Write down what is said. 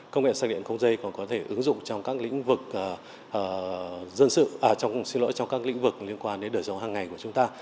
công nghệ sạc điện không dây còn có thể ứng dụng trong các lĩnh vực liên quan đến đời sống hàng ngày của chúng ta